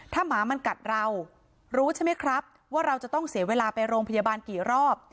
ถ้าหมามันกัดเรารู้ใช่ไหมครับว่าเราจะต้องเสียเวลาไปโรงพยาบาลกี่รอบ